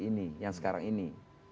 ini yang sekarang ini